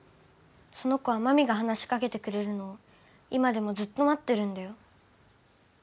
その子はまみが話しかけてくれるのを今でもずっと待ってるんだよ。